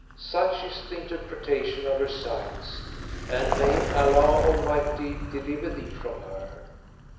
such is the interpretation of her signs, and may Allah Almighty deliver thee from her!"